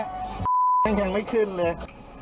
ยังไม่ขึ้นเลย